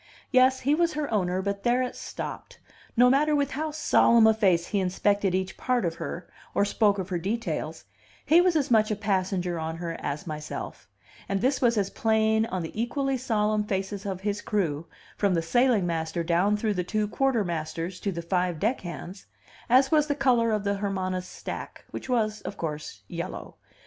Yes, he was her owner, but there it stopped, no matter with how solemn a face he inspected each part of her, or spoke of her details; he was as much a passenger on her as myself; and this was as plain on the equally solemn faces of his crew, from the sailing master down through the two quartermasters to the five deck hands, as was the color of the Hermana's stack, which was, of course, yellow.